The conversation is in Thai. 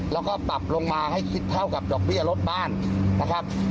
แล้วก็ปรับลงมาให้คิดเท่ากับดอกเบี้ยรถบ้านนะครับ